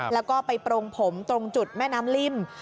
แล้วก็ไปโปรงผมตรงจุดแม่น้ำริ่ม